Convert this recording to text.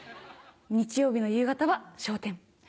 日曜日の夕方は『笑点』。